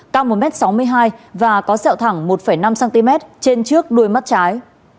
cao một m sáu mươi hai và có sẹo thẳng một năm cm trên trước đuôi mắt trái